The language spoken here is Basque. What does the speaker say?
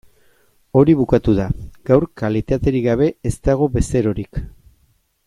Hori bukatu da, gaur kalitaterik gabe ez dago bezerorik.